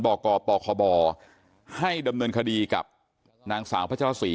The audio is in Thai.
บกปคบให้ดำเนินคดีกับนางสาวพระเจ้าสี